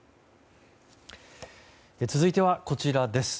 続いてはこちらです。